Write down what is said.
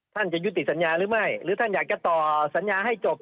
จะยุติสัญญาหรือไม่หรือท่านอยากจะต่อสัญญาให้จบ